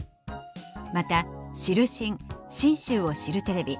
また知るしん信州を知るテレビ